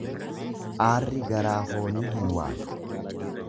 Aarri garaa foonii hin waadu.